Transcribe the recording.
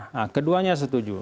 nah keduanya setuju